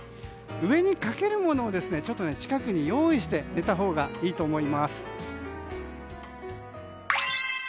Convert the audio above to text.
上にかけるものを近くに用意しておいたほうがいいと思います。